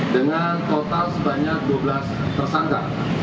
dengan total sebanyak dua belas tersangka